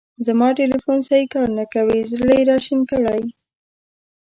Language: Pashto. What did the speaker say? زما تیلیفون سیی کار نه کوی. زړه یې را شین کړی.